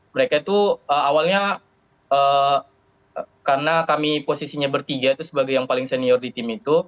mereka itu awalnya karena kami posisinya bertiga itu sebagai yang paling senior di tim itu